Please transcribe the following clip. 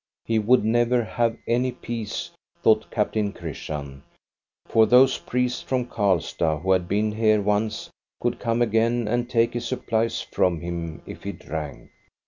He would never have any peace, thought Captain Chris tian ; for those priests from Karlstad, who had been here once, could come again and take his surplice from him if he drank.